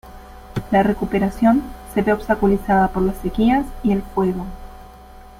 La recuperación se ve obstaculizada por las sequías y el fuego.